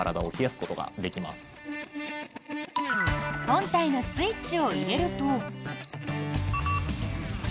本体のスイッチを入れると。